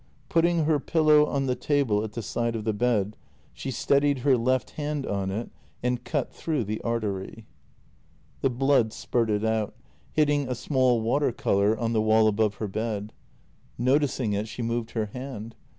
Putting her pillow on the table at the side of the bed, she steadied her left hand on it and cut through the artery. The blood spurted out, hitting a small water colour on the JENNY 292 wall above her bed. Noticing it, she moved her hand.